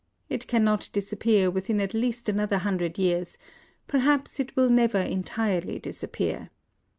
It cannot disappear within at least another hundred years; perhaps it will never entirely disappear.